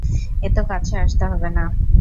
এত কাছে আসতে হবে না।